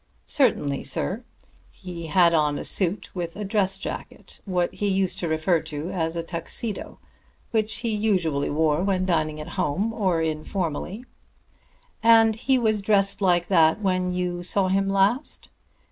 "Certainly, sir. He had on a suit with a dress jacket, what he used to refer to as a Tuxedo, which he usually wore when dining at home or informally." "And he was dressed like that when you saw him last?"